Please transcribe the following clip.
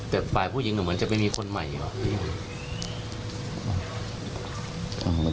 แต่ฝ่ายผู้หญิงเหมือนจะไปมีคนใหม่อีกว่ะ